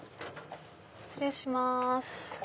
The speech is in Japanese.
失礼します。